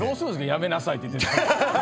やめなさいって言われたら。